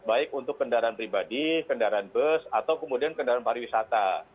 baik untuk kendaraan pribadi kendaraan bus atau kemudian kendaraan pariwisata